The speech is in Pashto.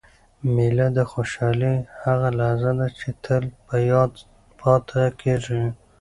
مېله د خوشحالۍ هغه لحظه ده، چي تل په یاد پاته کېږي.